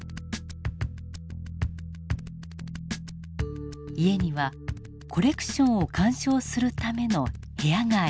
家にはコレクションを鑑賞するための部屋があります。